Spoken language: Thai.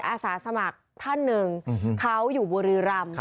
อาสาสมัครท่านหนึ่งเขาอยู่บุรีรำ